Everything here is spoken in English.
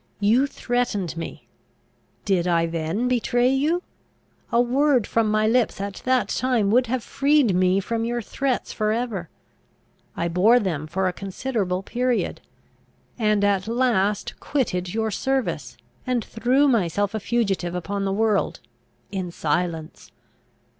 You threatened me: did I then betray you? A word from my lips at that time would have freed me from your threats for ever. I bore them for a considerable period, and at last quitted your service, and threw myself a fugitive upon the world, in silence.